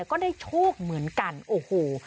ก็ได้โชคเหมือนกันโอ้โห